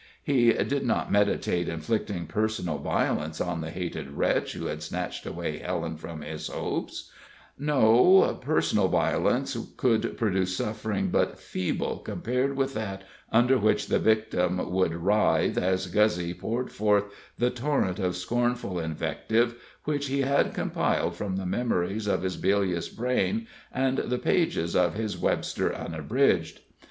He did not meditate inflicting personal violence on the hated wretch who had snatched away Helen from his hopes no, personal violence could produce suffering but feeble compared with that under which the victim would writhe as Guzzy poured forth the torrent of scornful invective which he had compiled from the memories of his bilious brain and the pages of his "Webster Unabridged."